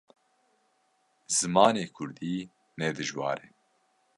Zimanê Kurdî ne dijwar e.